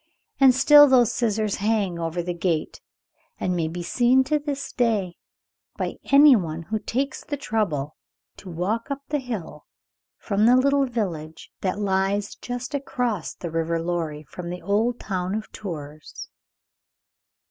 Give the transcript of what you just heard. And still those scissors hang over the gate, and may be seen to this day, by any one who takes the trouble to walk up the hill from the little village that lies just across the river Loire, from the old town of Tours.